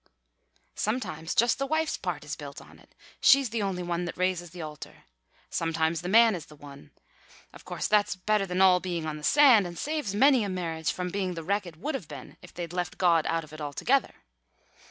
_'" "Sometimes just the wife's part is built on it. She's the only one that raises the altar. Sometimes the man is the one. Of course that's better than all being on the sand, and saves many a marriage from being the wreck it would have been if they'd left God out of it altogether.